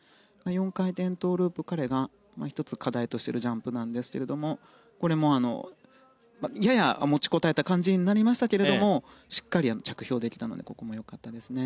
４回転トウループが彼が１つ課題としているジャンプなんですけどこれも、やや持ちこたえた感じになりましたけれどもしっかり着氷できたのでここも良かったですね。